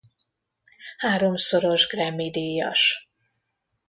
Háromszoros Grammy-díjas.